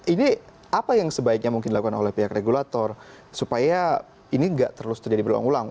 ini apa yang sebaiknya mungkin dilakukan oleh pihak regulator supaya ini nggak terus terjadi berulang ulang